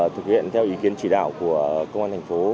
thực hiện theo ý kiến chỉ đạo của công an thành phố